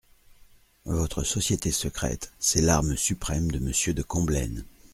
Votre société secrète, c'est l'arme suprême de Monsieur de Combelaine.